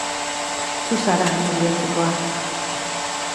Zu zara ene bihotzekoa.